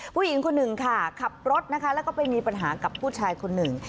ผู้หญิงคนหนึ่งค่ะขับรถนะคะแล้วก็ไปมีปัญหากับผู้ชายคนหนึ่ง